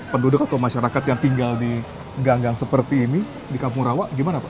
penduduk atau masyarakat yang tinggal di ganggang seperti ini di kampung rawa gimana pak